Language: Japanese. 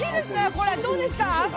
これどうですか？